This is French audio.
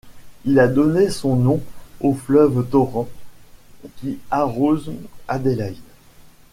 Il a donné aussi son nom au fleuve Torrens qui arrose Adélaïde.